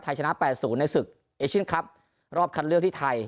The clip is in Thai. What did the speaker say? ชนะ๘๐ในศึกเอเชียนคลับรอบคัดเลือกที่ไทย